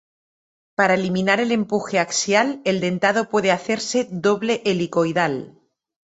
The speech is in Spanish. Para eliminar el empuje axial el dentado puede hacerse doble helicoidal.